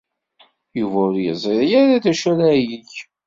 Yuba ur yeẓri ara d acu ara yeg.